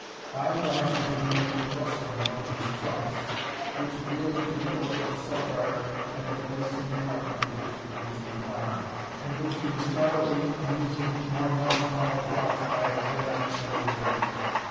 By and by she heard him making a rustling among his trunks, which, agreeable to the order of the Sub Prior, had been placed in the apartment to which he was confined, and which he was probably amusing more melancholy thoughts by examining and arranging.